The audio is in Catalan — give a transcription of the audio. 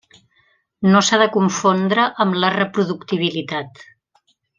No s’ha de confondre amb la reproductibilitat.